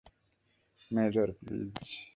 Major, please!